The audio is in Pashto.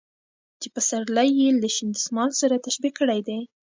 چې پسرلى يې له شين دسمال سره تشبيه کړى دى .